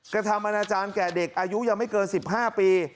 กระทำอนาจารย์แก่เด็กอายุยังไม่เกิน๑๕ปี